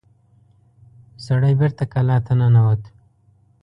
سړی بېرته کلا ته ننوت.